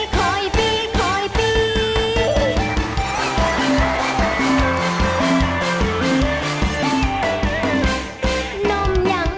ขอบคุณครับ